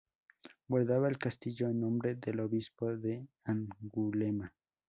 Guardaba el castillo en nombre del obispo de Angulema.